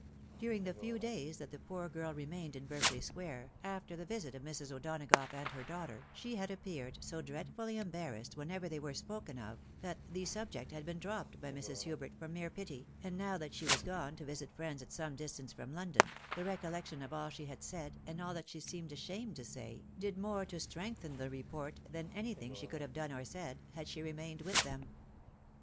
During the few days that the poor girl remained in Berkeley square, after the visit of Mrs. O'Donagough and her daughter, she had appeared so dreadfully embarrassed whenever they were spoken of, that the subject had been dropped by Mrs. Hubert from mere pity ; and now that she was gone to visit friends at some distance from London, tjhe recoUeotion of aU she had said and all that she seemed ashamed to say, did more to strengthen the report than anything she could have done or said, had she remained with them.